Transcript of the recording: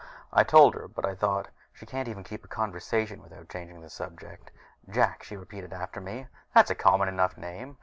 I told her, but I thought: she can't even keep a conversation going without changing the subject. "Jak," she repeated after me. "That's a common enough name.